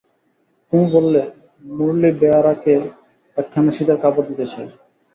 কুমু বললে, মুরলী বেয়ারাকে একখানা শীতের কাপড় দিতে চাই।